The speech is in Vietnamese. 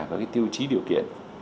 vào tiêu chí điều kiện